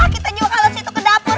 kita juga kalau situ ke dapur